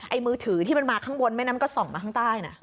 มือถือที่มันมาข้างบนแม่น้ำก็ส่องมาข้างใต้นะ